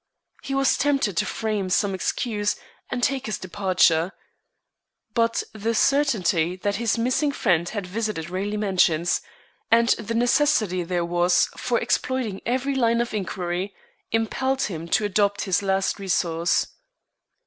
He was tempted to frame some excuse and take his departure. But the certainty that his missing friend had visited Raleigh Mansions, and the necessity there was for exploiting every line of inquiry, impelled him to adopt this last resource.